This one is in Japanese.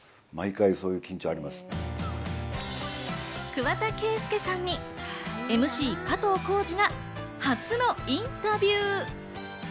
桑田佳祐さんにＭＣ加藤浩次が初のインタビュー。